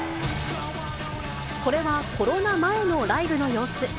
これはコロナ前のライブの様子。